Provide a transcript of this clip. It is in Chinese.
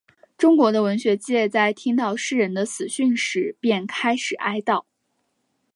中国的文学界在听到诗人的死讯时便开始哀悼。